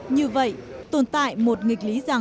như vậy tồn tại một nghịch lý xét nghiệm